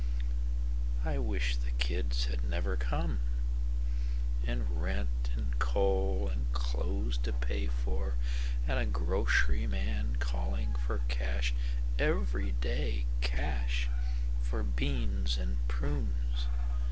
I wish the kids had never comeAnd rent and coal and clothes to pay forAnd a grocery man calling for cash, Every day cash for beans and prunes.